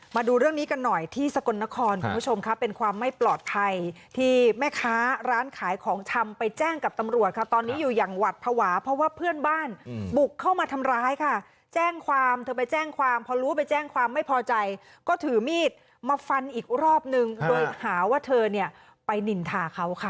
มาดูเรื่องนี้กันหน่อยที่สกลนครคุณผู้ชมค่ะเป็นความไม่ปลอดภัยที่แม่ค้าร้านขายของชำไปแจ้งกับตำรวจค่ะตอนนี้อยู่อย่างหวัดภาวะเพราะว่าเพื่อนบ้านบุกเข้ามาทำร้ายค่ะแจ้งความเธอไปแจ้งความพอรู้ไปแจ้งความไม่พอใจก็ถือมีดมาฟันอีกรอบนึงโดยหาว่าเธอเนี่ยไปนินทาเขาค่ะ